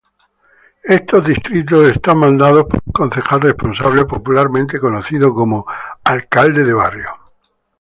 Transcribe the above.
Estos distritos están mandados por un concejal responsable, popularmente conocido como "alcalde de barrio".